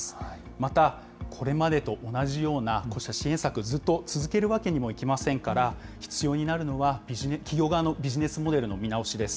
またこれまでと同じようなこうした支援策、続けるわけにもいきませんから、必要になるのは企業側のビジネスモデルの見直しです。